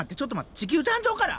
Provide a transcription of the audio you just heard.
地球誕生から？